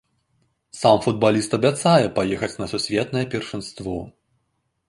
Сам футбаліст абяцае паехаць на сусветнае першынство.